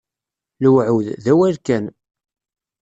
Lewɛud, d awal kan.